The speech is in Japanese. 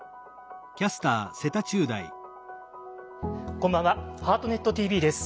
こんばんは「ハートネットＴＶ」です。